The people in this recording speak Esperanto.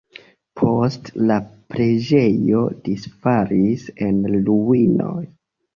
Poste la preĝejo disfalis en ruinoj.